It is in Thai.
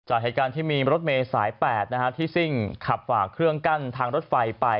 จากเหตุการณ์ที่มีรถเมย์สาย๘ที่ซิ่งขับฝากเครื่องกั้นทางรถไฟไป